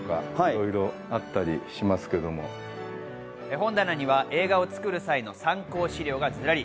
本棚には映画を作る際の参考資料がずらり。